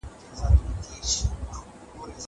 زه له سهاره انځور ګورم!